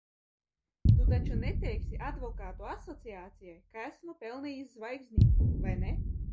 Tu taču neteiksi advokātu asociācijai, ka esmu pelnījis zvaigznīti, vai ne?